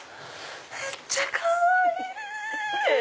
めっちゃかわいい！